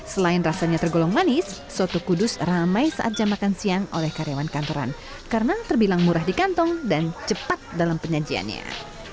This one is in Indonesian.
selain rasanya tergolong manis soto kudus ramai saat jam makan siang oleh karyawan kantoran karena terbilang murah di kantong dan cepat dalam penyajiannya